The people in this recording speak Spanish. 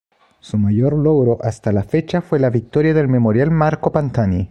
Su mayor logro hasta la fecha fue la victoria del Memorial Marco Pantani.